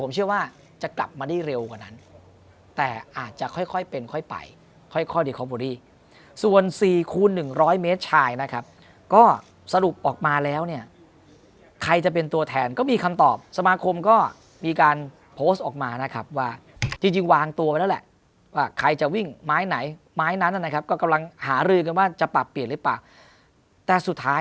ผมเชื่อว่าจะกลับมาได้เร็วกว่านั้นแต่อาจจะค่อยค่อยเป็นค่อยไปค่อยค่อยดีคอมโบรีส่วนสี่คูณ๑๐๐เมตรชายนะครับก็สรุปออกมาแล้วเนี่ยใครจะเป็นตัวแทนก็มีคำตอบสมาคมก็มีการโพสต์ออกมานะครับว่าจริงวางตัวไว้แล้วแหละว่าใครจะวิ่งไม้ไหนไม้นั้นนะครับก็กำลังหารือกันว่าจะปรับเปลี่ยนหรือเปล่าแต่สุดท้าย